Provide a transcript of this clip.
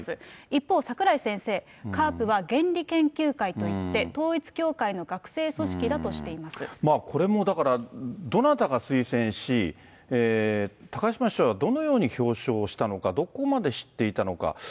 一方、櫻井先生、ＣＡＲＰは原理研究会といって、統一教会の学生組織だとしていまこれもだから、どなたが推薦し、高島市長はどのように表彰したのか、どこまで知っていたのか。